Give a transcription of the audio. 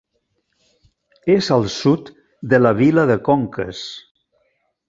És al sud de la vila de Conques.